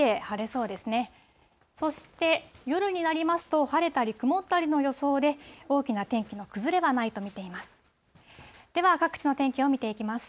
そして夜になりますと、晴れたり曇ったりの予想で、大きな天気の崩れはないと見ています。